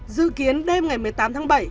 dự kiến đêm ngày một mươi tám tháng bảy